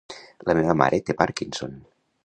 La meva mare té Parkinson.